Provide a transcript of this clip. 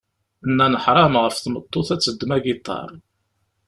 Nnan ḥṛam ɣef tmeṭṭut ad teddem agiṭar.